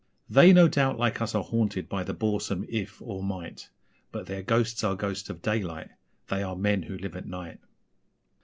They, no doubt, like us, are haunted by the boresome 'if' or 'might', But their ghosts are ghosts of daylight they are men who live at night!